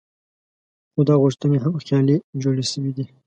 خو دا غوښتنې هم خیالي جوړې شوې دي.